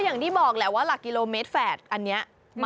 อย่างที่บอกแหละว่าหลักกิโลเมตรแฝดอันนี้